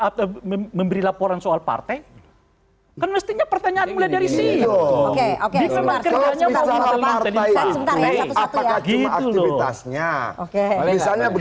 atau memberi laporan soal partai dan mestinya pertanyaan mulai dari situ oke oke oke oke